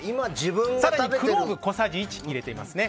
更にクローブ小さじ１入れてますね。